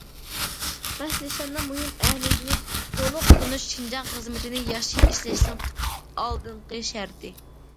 باش نىشاننىڭ مۇھىم ئەھمىيىتىنى تولۇق تونۇش شىنجاڭ خىزمىتىنى ياخشى ئىشلەشنىڭ تۈپ ئالدىنقى شەرتى.